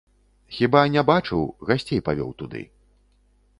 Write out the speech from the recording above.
Хіба не бачыў, гасцей павёў туды.